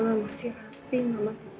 tentu saya sumbard roosevelt